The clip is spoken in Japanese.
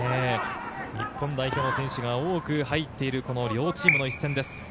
日本代表の選手が多く入っている、この両チームの一戦です。